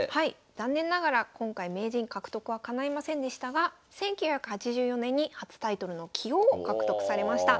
残念ながら今回名人獲得はかないませんでしたが１９８４年に初タイトルの棋王を獲得されました。